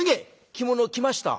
「着物を着ました」。